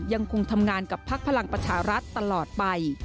ยังคงทำงานกับพักพลังประชารัฐตลอดไป